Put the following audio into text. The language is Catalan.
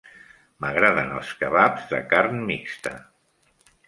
M'agraden els kebabs de carn mixta.